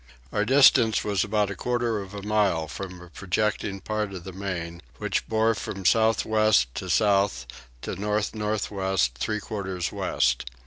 Our distance was about a quarter of a mile from a projecting part of the main, which bore from south west by south to north north west three quarters west.